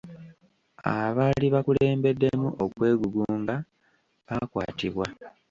Abaali bakulembeddemu okwegugunga baakwatibwa.